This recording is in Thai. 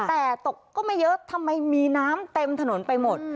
แต่ตกก็ไม่เยอะทำไมมีน้ำเต็มถนนไปหมด